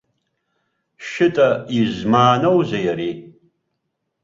Шьыта, измааноузеи ари?!